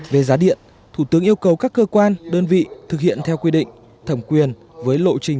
về giá điện thủ tướng yêu cầu các cơ quan đơn vị thực hiện theo quy định thẩm quyền với lộ trình